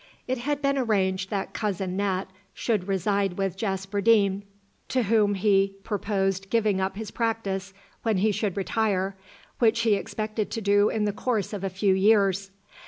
It had been arranged that cousin Nat should reside with Jasper Deane, to whom he purposed giving up his practice when he should retire, which he expected to do in the course of a few years.